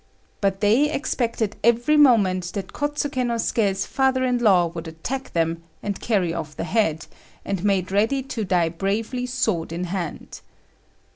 But they expected every moment that Kôtsuké no Suké's father in law would attack them and carry off the head, and made ready to die bravely sword in hand.